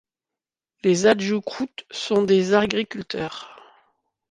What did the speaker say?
Les Adjoukrous sont des agriculteurs.